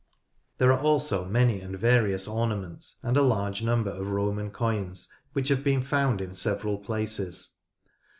There are also many and various ornaments, and a large number of Roman coins, which have been found in several places.